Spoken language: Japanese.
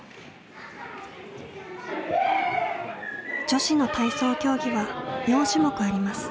女子の体操競技は４種目あります。